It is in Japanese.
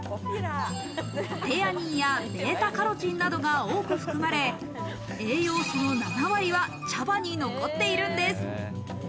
テアニンやベータカロチンなどが多く含まれ、栄養素の７割は茶葉に残っているんです。